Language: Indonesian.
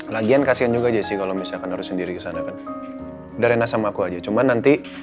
lagian kasian juga jesi kalau misalkan harus sendiri kesana dan rena sama aku aja cuma nanti